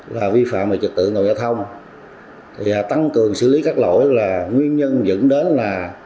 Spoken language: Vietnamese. là vi phạm trực tự nội giao thông tăng cường xử lý các lỗi là nguyên nhân dẫn đến là